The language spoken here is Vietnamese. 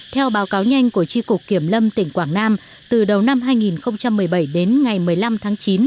theo báo cáo nhanh của tri cục kiểm lâm tỉnh quảng nam từ đầu năm hai nghìn một mươi bảy đến ngày một mươi năm tháng chín